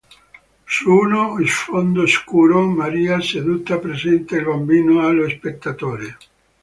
Su uno sfondo scuro, Maria seduta presenta il Bambino allo spettatore.